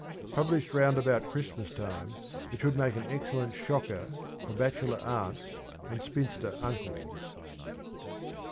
Published round about Christmas time it should make an excellent ' shocker ' for bachelor aunts and spinster uncles.